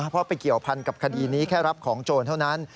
เพราะไปเกี่ยวพันกับคดีนี้แค่รับของโจรเท่านั้น